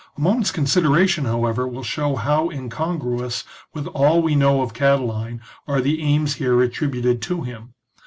A moment's consideration, however, will show how incongruous with all we know of Catiline are the aims here attributed to him.